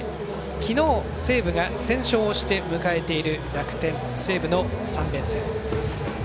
昨日西武が先勝をして迎えている西武、楽天の３連戦。